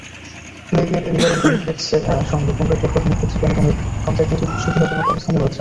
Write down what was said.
ক্লেগের Liberal ডেমোক্র্যাটসের সঙ্গে পুনরায় জোট গঠনের ক্ষেত্রে ক্যামেরনের কনজারভেটিভ সুবিধাজনক অবস্থানে রয়েছে।